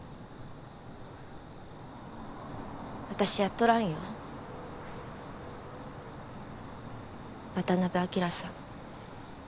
私やっとらんよ渡辺昭さん